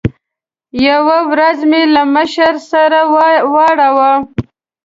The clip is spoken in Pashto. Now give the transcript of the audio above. یوه ورځ مې له بل مشر سره واړاوه.